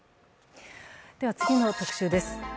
次の特集です。